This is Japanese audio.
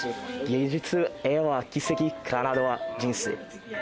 芸術